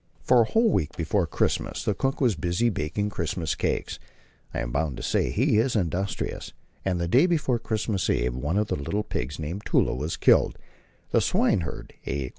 For a whole week before Christmas the cook was busy baking Christmas cakes. I am bound to say he is industrious; and the day before Christmas Eve one of the little pigs, named Tulla, was killed. The swineherd, A.